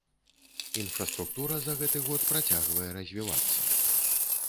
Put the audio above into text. Інфраструктура за гэты год працягвае развівацца.